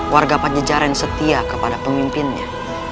warga pajajara yang setia kepada pemimpinnya